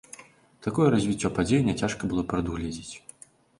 Такое развіццё падзей не цяжка было прадугледзець.